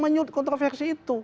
menyut kontroversi itu